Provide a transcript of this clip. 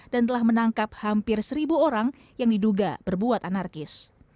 dan telah menangkap hampir seribu orang yang diduga berbuat anarkis